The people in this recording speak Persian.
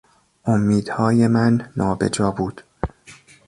امیدهای من نابجا بود.